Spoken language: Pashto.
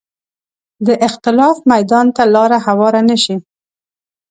د اختلاف میدان ته لاره هواره نه شي